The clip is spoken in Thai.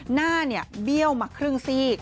หน้าเบี้ยวมาครึ่งซีก